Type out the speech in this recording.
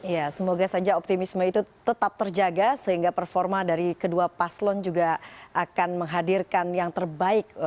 ya semoga saja optimisme itu tetap terjaga sehingga performa dari kedua paslon juga akan menghadirkan yang terbaik